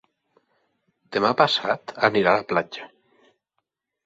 Demà passat anirà a la platja.